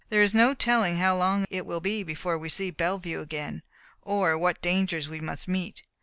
There is no telling how long it will be before we see Bellevue again, or what dangers we must meet.